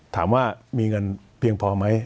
ถามว่ามีเงินเพียงพอไหม